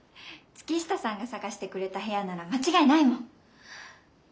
月下さんが探してくれた部屋なら間違いないもん。